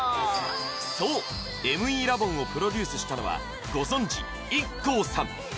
そうＭＥラボンをプロデュースしたのはご存じＩＫＫＯさん